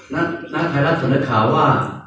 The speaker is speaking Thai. นักไทยรัฐเสนอข่าวว่า